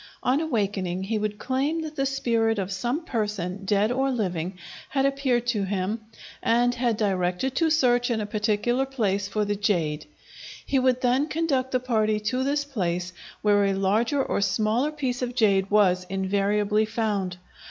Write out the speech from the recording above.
On awaking he would claim that the spirit of some person, dead or living, had appeared to him and had directed to search in a particular place for the jade. He would then conduct the party to this place, where a larger or smaller piece of jade was invariably found.